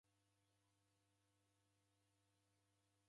W'engi w'afwa ngolo.